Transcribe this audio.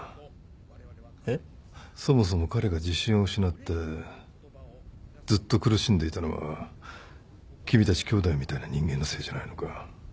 そもそも彼が自信を失ってずっと苦しんでいたのは君たち兄弟みたいな人間のせいじゃないのか？